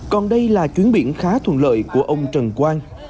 còn đây là chuyến biển khá thuận lợi của ông trần quang